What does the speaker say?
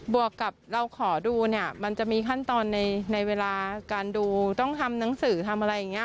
วกกับเราขอดูเนี่ยมันจะมีขั้นตอนในเวลาการดูต้องทำหนังสือทำอะไรอย่างนี้